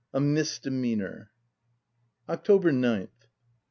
A MISDEMEANOUR. October 9th.